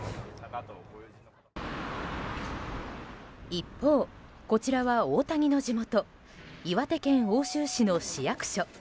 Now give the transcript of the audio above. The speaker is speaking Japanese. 一方、こちらは大谷の地元岩手県奥州市の市役所。